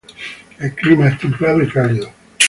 El clima es templado y cálido.